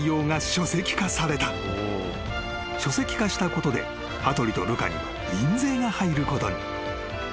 ［書籍化したことで羽鳥とルカに印税が入ることに］